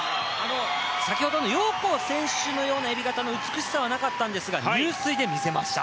先ほどのヨウ・コウ選手のようなえび型の美しさはなかったんですが入水で見せました。